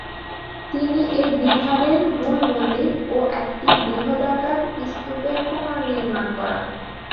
তিনি এই বিহারের মূল মন্দির ও একটি বৃহদাকার স্তূপের পুনর্নির্মাণ করান।